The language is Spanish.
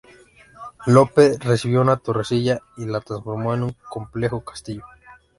Lope recibió una "torrecilla" y la transformó en un complejo castillo.